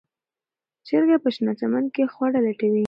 چرګه په شنه چمن کې خواړه لټوي.